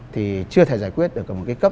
thì chưa thể giải quyết được